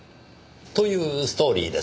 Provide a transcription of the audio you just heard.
というストーリーです。